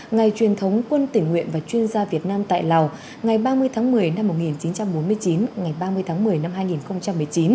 ngày truyền thống quân tỉnh nguyện và chuyên gia việt nam tại lào ngày ba mươi tháng một mươi năm một nghìn chín trăm bốn mươi chín ngày ba mươi tháng một mươi năm hai nghìn một mươi chín